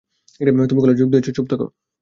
তুমি কলেজে যোগ দিয়েছ চুপ থাকো।